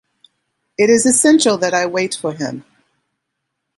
It is essential that I wait for him.